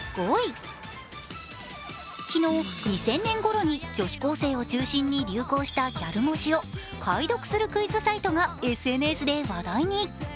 昨日、２０００年ごろに女子高生を中心に流行したギャル文字を解読するクイズサイトがＳＮＳで話題に。